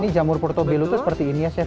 ini jamur portobello itu seperti ini ya chef ya